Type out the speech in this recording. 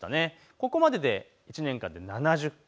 ここまでで１年間で７０回。